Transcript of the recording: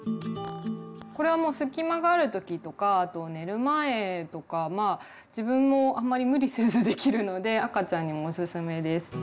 これはもう隙間がある時とかあと寝る前とか自分もあんまり無理せずできるので赤ちゃんにもおすすめです。